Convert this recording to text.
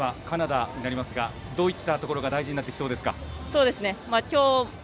あすはカナダになりますがどういったところが大事になってきそうですか？